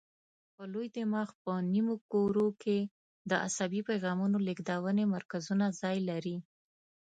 په لوی دماغ په نیمو کرو کې د عصبي پیغامونو لېږدونې مرکزونه ځای لري.